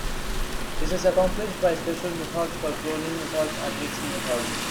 This is accomplished by special methods called "cloning" methods and "mixin" methods.